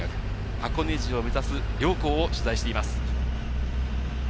箱根路を目指す両校を取材しています。